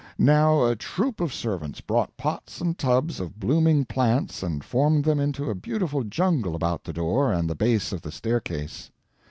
Now a troop of servants brought pots and tubs of blooming plants and formed them into a beautiful jungle about the door and the base of the staircase.